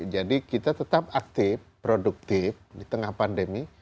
jadi kita tetap aktif produktif di tengah pandemi